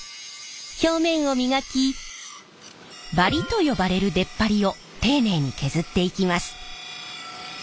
表面を磨きバリと呼ばれる出っ張りを丁寧に削っていきます。